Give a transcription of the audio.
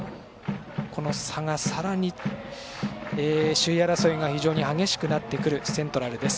この差が、さらに首位争いが厳しくなってくるセントラルです。